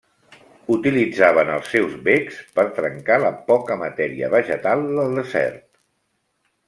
Utilitzaven els seus becs per trencar la poca matèria vegetal del desert.